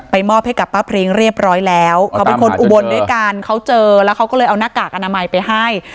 มอบให้กับป้าพริ้งเรียบร้อยแล้วเขาเป็นคนอุบลด้วยกันเขาเจอแล้วเขาก็เลยเอาหน้ากากอนามัยไปให้